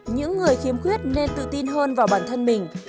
những người khiếm khuyết nên tự tin hơn vào bản thân mình